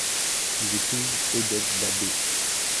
Il épouse Odette Babée.